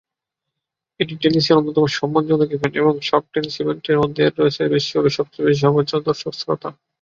এটি টেনিসের অন্যতম সম্মানজনক ইভেন্ট, এবং সব টেনিস ইভেন্টের মধ্যে এর রয়েছে বিশ্বব্যাপী সবচেয়ে বেশি সম্প্রচার ও দর্শক শ্রোতা।